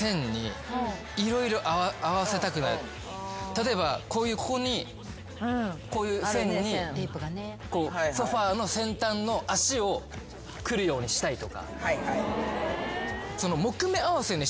例えばここにこういう線にソファの先端の脚を来るようにしたいとか。